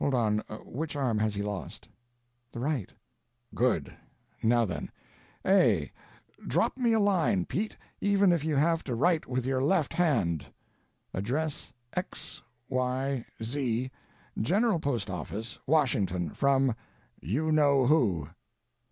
"Hold on. Which arm has he lost?" "The right." "Good. Now then— "A. DROP ME A LINE, PETE, EVEN IF YOU HAVE to write with your left hand. Address X. Y. Z., General Postoffice, Washington. From YOU KNOW WHO."